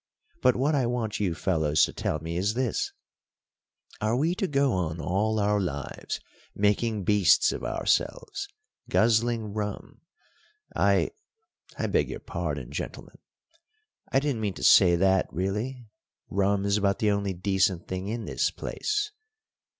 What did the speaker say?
But what I want you fellows to tell me is this: Are we to go on all our lives making beasts of ourselves, guzzling rum I I beg your pardon, gentlemen. I didn't mean to say that, really. Rum is about the only decent thing in this place.